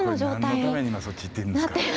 何のために今そっち行ってるんですか。